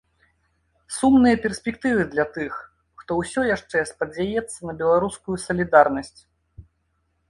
Сумныя перспектывы для тых, хто ўсё яшчэ спадзяецца на беларускую салідарнасць.